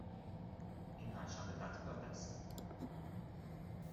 این پنج شنبه تعطیلات است.